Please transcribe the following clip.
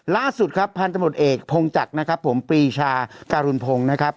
ล่าสุดครับพันธมตเอกพงจักรนะครับผมปีชาการุณพงศ์นะครับ